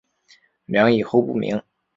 梁以后不明。